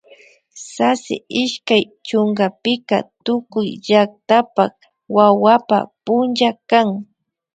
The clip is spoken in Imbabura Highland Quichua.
Sasi ishkay chunkapika tukuy llaktapak wawapa punlla kan